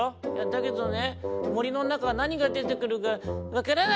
「だけどねもりのなかはなにがでてくるかわからないよ⁉」。